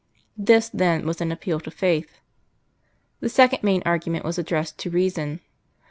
This, then, was an appeal to faith. The second main argument was addressed to reason.